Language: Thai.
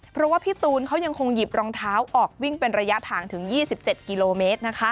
เพราะว่าพี่ตูนเขายังคงหยิบรองเท้าออกวิ่งเป็นระยะทางถึง๒๗กิโลเมตร